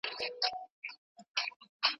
د شکر ناروغۍ مخه ونیسئ.